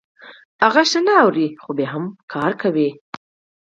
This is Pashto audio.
هغه ښه نه اوري خو بيا هم کار کوي.